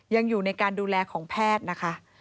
ยังอยู่ในการดูแลของแพทย์นะคะ